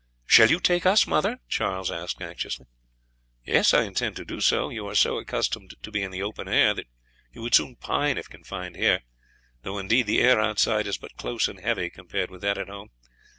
"Shall you take us, mother?" Charlie asked anxiously. "I intend to do so. You are so accustomed to be in the open air that you would soon pine if confined here, though indeed the air outside is but close and heavy compared with that at home.